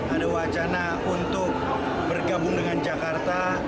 ada wacana untuk bergabung dengan jakarta